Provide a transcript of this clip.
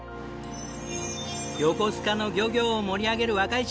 横須賀の漁業を盛り上げる若い力